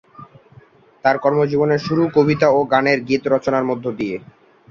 তার কর্মজীবনের শুরু কবিতা ও গানের গীত রচনার মধ্য দিয়ে।